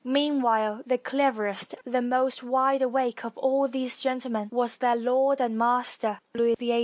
Meanwhile the cleverest and most wide awake of all these gentlemen was their lord and master, Louis XVIII.